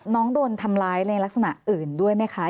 น้องโดนทำร้ายในลักษณะอื่นด้วยไหมคะ